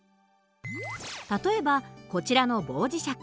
例えばこちらの棒磁石。